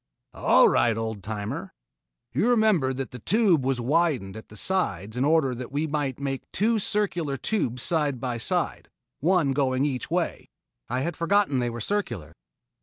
"All right, old timer. You remember that the Tube was widened at the sides in order that we could make two circular tubes side by side one going each way." "I had forgotten that they were circular."